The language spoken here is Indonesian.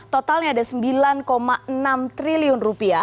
totalnya ada rp sembilan enam triliun